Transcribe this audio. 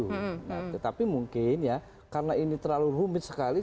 nah tetapi mungkin ya karena ini terlalu rumit sekali